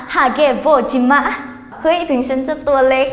เฮ้ยถึงฉันจะตัวเล็ก